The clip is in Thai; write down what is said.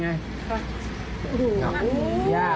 จริงเหรอ